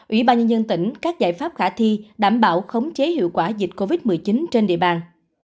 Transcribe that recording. ủy ban nhân dân tỉnh các giải pháp khả thi đảm bảo khống chế hiệu quả dịch covid một mươi chín trên địa bàn